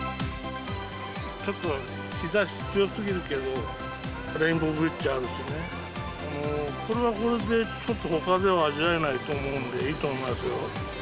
ちょっと日ざし強すぎるけど、レインボーブリッジあるしね、これはこれで、ちょっとほかでは味わえないと思うんで、いいと思いますよ。